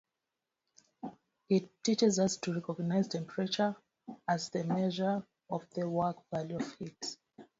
It teaches us to recognize temperature as the measure of the work-value of heat.